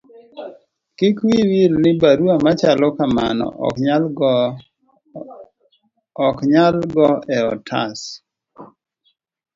kik wiyi wil ni barua machalo kamano ok nyal go e otas